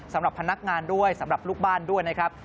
สำหรับพนักงานด้วยสำหรับลูกบ้านด้วยนะครับ